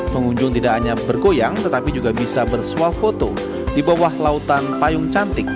pengunjung tidak hanya bergoyang tetapi juga bisa bersuah foto di bawah lautan payung cantik